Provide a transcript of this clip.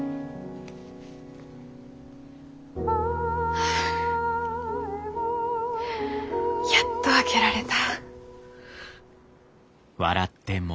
はあやっと開けられた。